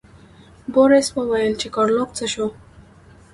بوریس وویل چې ګارلوک څه شو.